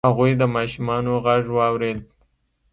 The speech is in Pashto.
هغوی د ماشومانو غږ واورید.